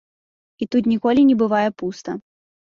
І тут ніколі не бывае пуста.